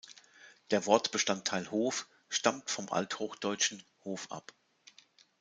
Der Wortbestandteil "Hof", stammt von althochdeutschen "hof" ab.